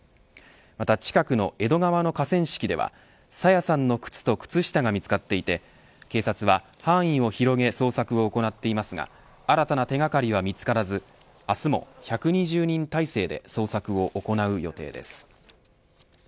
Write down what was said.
また近くの江戸川の河川敷では朝芽さんの靴と靴下が見つかっていて警察は範囲を広げ捜索を行っていますが新たな手掛かりは見つからず明日も１２０人態勢で捜索を行う予定です。